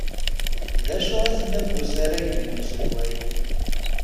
D acu i tenwiḍ g usarag-nni n uselway?